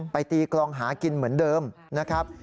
ตีกลองหากินเหมือนเดิมนะครับ